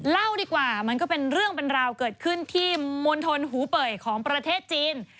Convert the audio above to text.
เล่าดีกว่ามันก็เป็นเรื่องเป็นราวเกิดขึ้นที่มณฑลหูเป่ยของประเทศจีน